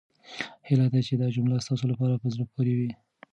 هيله ده چې دا جملې ستاسو لپاره په زړه پورې وي.